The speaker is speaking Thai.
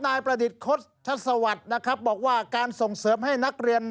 นายประดิษฐ์โครสชัตสวรรคบอกว่าการส่งเสิร์ฟให้นักเรียน